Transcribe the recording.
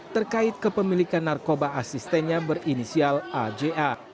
terkait kepemilikan narkoba asistennya berinisial aja